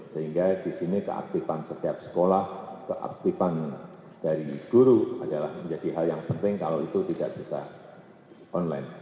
sehingga di sini keaktifan setiap sekolah keaktifan dari guru adalah menjadi hal yang penting kalau itu tidak bisa online